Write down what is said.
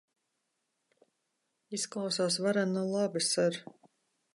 Izklausās varen labi, ser.